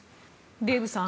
デーブさん